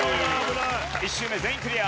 １周目全員クリア。